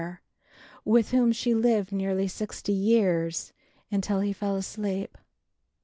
with whom she lived nearly sixty years, until he fell asleep.